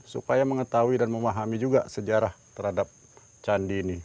supaya mengetahui dan memahami juga sejarah terhadap candi ini